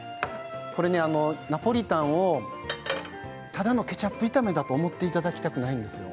ナポリタンをただのケチャップ炒めだと思っていただきたくないですね。